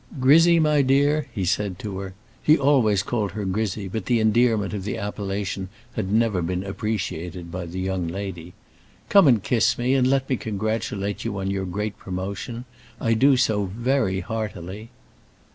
"Grizzy, my dear," he said to her he always called her Grizzy, but the endearment of the appellation had never been appreciated by the young lady "come and kiss me, and let me congratulate you on your great promotion. I do so very heartily."